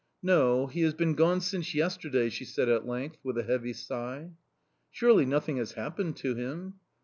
"'No, he has been gone since yesterday,' she said at length, with a heavy sigh. "'Surely nothing has happened to him!